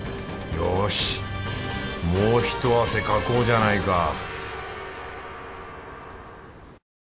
よしもう一汗かこうじゃないか！